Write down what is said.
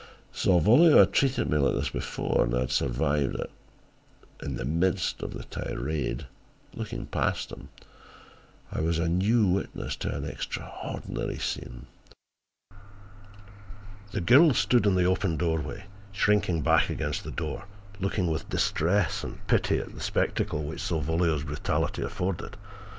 Salvolio had treated me like this before and I had survived it. In the midst of the tirade, looking past him, I was a new witness to an extraordinary scene. "The girl stood in the open doorway, shrinking back against the door, looking with distress and pity at the spectacle which Salvolio's brutality afforded.